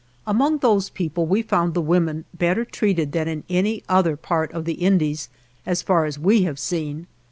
Among those people we found the women better treated than in any other part of the Indies as far as we have seen.